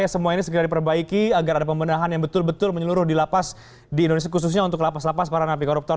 semua ini segera diperbaiki agar ada pembendahan yang betul betul menyeluruh di lapas di indonesia khususnya untuk lapas lapas para napi koruptor